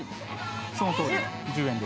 そのとおり。